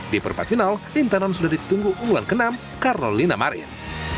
di perpac final itanon sudah ditunggu unggulan ke enam carolina marin